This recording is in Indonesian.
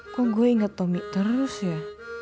kok gue inget tommy terus ya